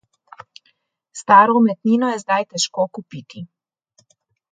Staro umetnino je zdaj težko kupiti.